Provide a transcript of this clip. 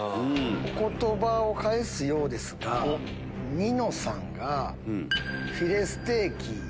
お言葉を返すようですがニノさんがフィレステーキ。